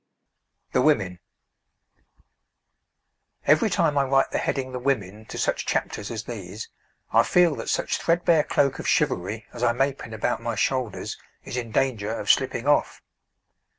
THE WOMEN Every time I write the heading 'The Women' to such chapters as these, I feel that such threadbare cloak of chivalry as I may pin about my shoulders is in danger of slipping off.